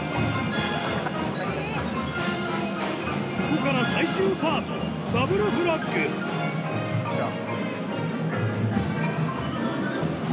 ここから最終パートダブルフラッグきた！